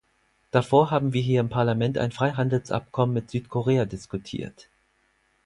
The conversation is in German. Davor haben wir hier im Parlament ein Freihandelsabkommen mit Südkorea diskutiert.